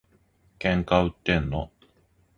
喧嘩売ってんの？